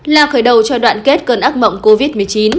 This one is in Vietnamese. là khởi đầu cho đoạn kết cơn ác mộng covid một mươi chín